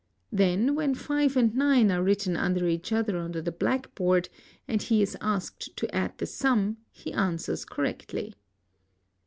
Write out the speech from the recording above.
Then, when 6 and 9 are 'Written under each other on the black board and he |ls asked to add the sum, he answers correctly.